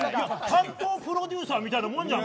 担当プロデューサーみたいなもんじゃん。